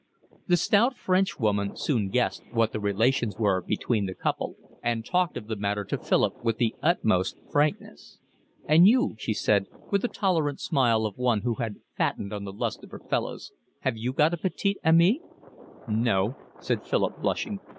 The stout Frenchwoman soon guessed what the relations were between the couple, and talked of the matter to Philip with the utmost frankness. "And you," she said, with the tolerant smile of one who had fattened on the lust of her fellows, "have you got a petite amie?" "No," said Philip, blushing.